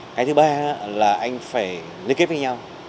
cái thứ ba là anh phải liên kết với nhau